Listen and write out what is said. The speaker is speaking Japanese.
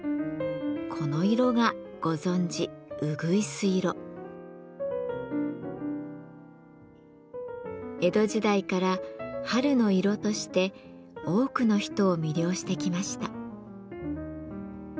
この色がご存じ江戸時代から春の色として多くの人を魅了してきました。